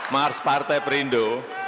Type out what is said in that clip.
mars partai perindo